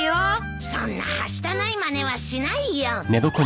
そんなはしたないまねはしないよ。